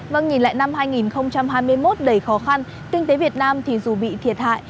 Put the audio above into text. vâng nhìn lại năm hai nghìn hai mươi một đầy khó khăn kinh tế việt nam thì dù bị thiệt hại